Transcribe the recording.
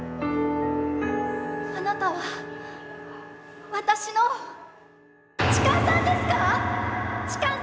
あなたは私の痴漢さんですか？